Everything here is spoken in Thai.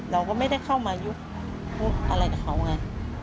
เราก็ไม่ได้เข้ามายุบพูดอะไรกับเขาไง